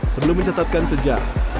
sebelum mencatatkan sejarah